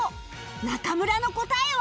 中村の答えは？